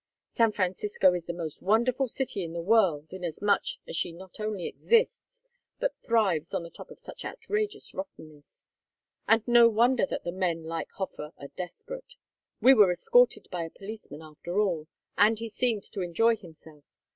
San Francisco is the most wonderful city in the world inasmuch as she not only exists but thrives on the top of such outrageous rottenness. And no wonder that the men like Hofer are desperate. We were escorted by a policeman after all, and he seemed to enjoy himself.